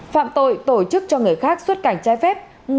phạm tội tổ chức cho người khác xuất cảnh trái phép